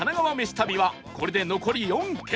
旅はこれで残り４軒